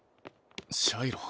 シャイロ